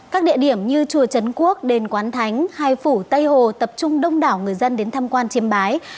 các địa điểm như chùa trấn quốc đền quán thánh hai phủ tây hồ tập trung đông đảo người dân đến tham quan chiêm bái